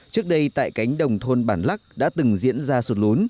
trước đây tại cánh đồng thôn bản lắc đã từng diễn ra sụt lún